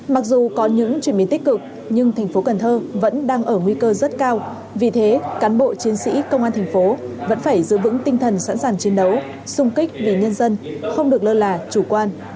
mặc dù có những chuyển biến tích cực nhưng tp cần thơ vẫn đang ở nguy cơ rất cao vì thế cán bộ chiến sĩ công an tp vẫn phải giữ vững tinh thần sẵn sàng chiến đấu xung kích về nhân dân không được lơ là chủ quan